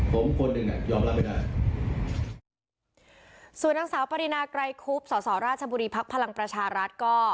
ผมคนหนึ่งอ่ะยอมรับไม่ได้ส่วนนางสาวปรินาไกรคุบสอสอราชบุรีภักดิ์พลังประชารัฐก็